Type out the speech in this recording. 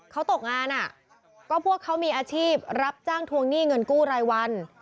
เขาตกงานก็พวกเขามีอาชีพรับจ้างทวงหนี้เงินกู้รายวัน